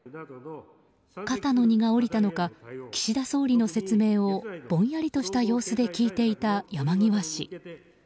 肩の荷が下りたのか岸田総理の説明をぼんやりとした様子で聞いていた山際氏。